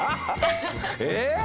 えっ？